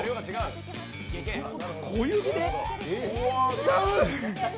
違う！